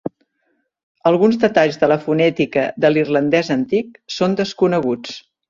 Alguns detalls de la fonètica de l'irlandès antic són desconeguts.